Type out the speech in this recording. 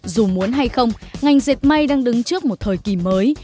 dù muốn hay không ngành dệt may đang đứng trước một thời kỳ mới